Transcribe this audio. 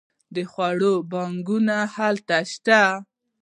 د خوړو بانکونه هلته شته.